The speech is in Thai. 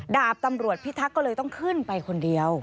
ดาบตำรวจพิทักษ์ก็เลยต้องขึ้นไปคนเดียว